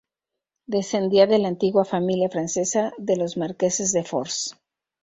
Descendía de la antigua familia francesa de los marqueses de Fors.